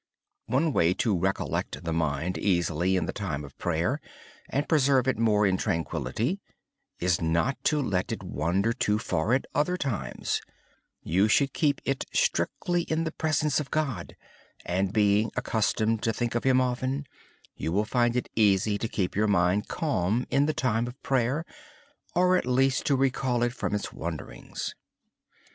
One way to re collect the mind easily in the time of prayer, and preserve it more in tranquillity, is not to let it wander too far at other times. Keep your mind strictly in the presence of God. Then being accustomed to think of Him often, you will find it easy to keep your mind calm in the time of prayer, or at least to recall it from its wanderings.